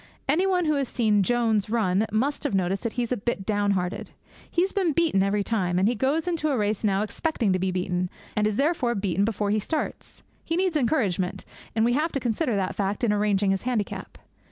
Anybody who has seen Jones run must have noticed that he's a bit downhearted. He has been beaten every time, and he goes into a race now expecting to be beaten, and is therefore beaten before he starts. He needs encouragement, and we have to consider that fact in arranging his handicap.